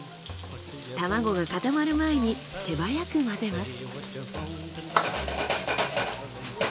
卵が固まる前に手早く混ぜます。